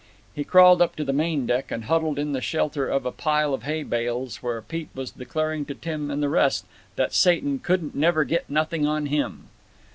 He crawled up to the main deck and huddled in the shelter of a pile of hay bales where Pete was declaring to Tim and the rest that Satan "couldn't never get nothing on him."